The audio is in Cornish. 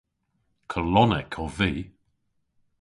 Kolonnek ov vy.